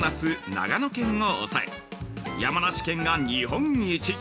長野県を抑え、山梨県が日本一。